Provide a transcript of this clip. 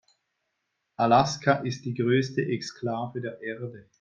Alaska ist die größte Exklave der Erde.